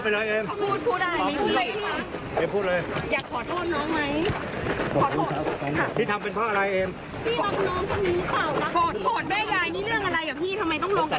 อยากขอโทษนะไหม